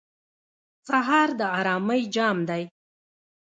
سهار د آرامۍ جام دی.